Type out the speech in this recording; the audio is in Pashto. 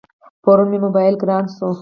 پرون مې موبایل گران شو.